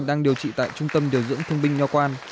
đang điều trị tại trung tâm điều dưỡng thương binh nho quan